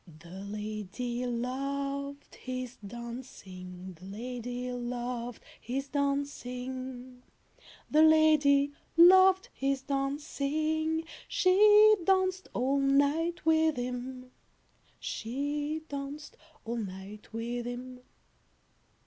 The lady loved his dancing, The lady loved his dancing, The lady loved his dancing, She danced all night with him, She danced all night with him.